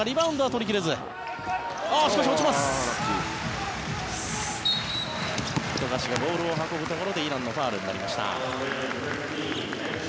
富樫がボールを運ぶところでイランのファウルになりました。